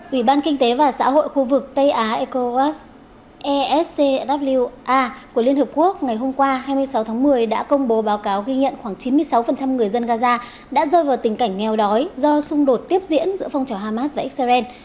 ủy ban kinh tế và xã hội khu vực tây á ecowascwar của liên hợp quốc ngày hôm qua hai mươi sáu tháng một mươi đã công bố báo cáo ghi nhận khoảng chín mươi sáu người dân gaza đã rơi vào tình cảnh nghèo đói do xung đột tiếp diễn giữa phong trào hamas và israel